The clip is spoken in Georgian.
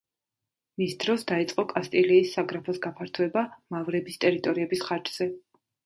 მის დროს დაიწყო კასტილიის საგრაფოს გაფართოება მავრების ტერიტორიების ხარჯზე.